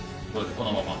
このまま？